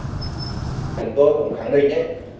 chúng tôi cũng khẳng định